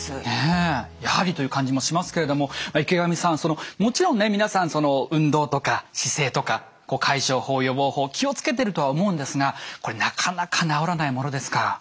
ねえやはりという感じもしますけれども池上さんそのもちろんね皆さん運動とか姿勢とか解消法予防法気を付けてるとは思うんですがこれなかなか治らないものですか？